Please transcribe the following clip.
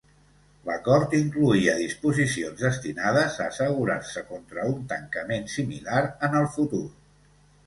L'acord incloïa disposicions destinades a assegurar-se contra un tancament similar en el futur.